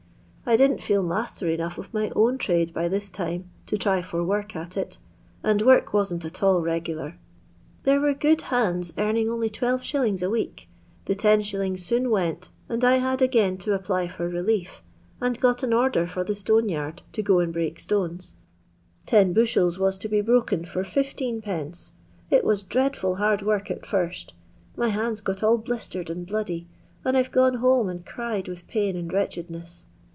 I didn't feel maaier enough of my own trade by tbia time to txy for work at it, and week wasn't at all regular. There were good hands earning only 12«. a week. The 10«. soon went, and I had again to apply for relief, and got an order for the atone yard to go and break stonet. Ten buahela waa to be broken fer 15d. It waa dreadful hard work at first My hands got all blistered and bloody, and I*ve gone home and cried with pain and wretchedness.